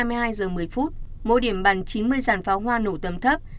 mỗi điểm bắn chín mươi dàn pháo hoa nổ tầm thấp